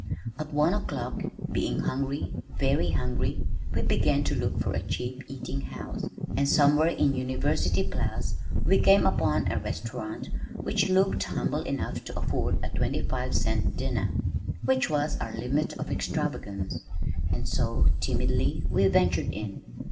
At one o'clock, being hungry, very hungry, we began to look for a cheap eating house, and somewhere in University Place we came upon a restaurant which looked humble enough to afford a twenty five cent dinner (which was our limit of extravagance), and so, timidly, we ventured in.